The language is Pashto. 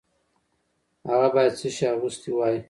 هغه باید څه شی اغوستی وای؟